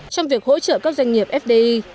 trong việc hỗ trợ các doanh nghiệp fdi